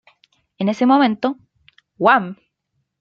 En ese momento, Wham!